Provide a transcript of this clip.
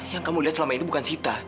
yang kamu lihat selama ini bukan sita